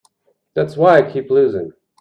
That's why I keep losing.